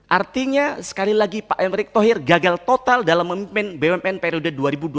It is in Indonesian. artinya sekali lagi pak erik thohir gagal total dalam memimpin bnn periode dua ribu sembilan belas dua ribu dua puluh empat